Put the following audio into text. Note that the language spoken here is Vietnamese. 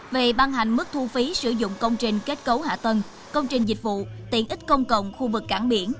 về ban hành mức thu phí sử dụng công trình kết cấu hạ tầng công trình dịch vụ tiện ích công cộng khu vực cảng biển